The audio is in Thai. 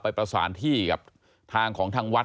ประสานที่กับทางของทางวัด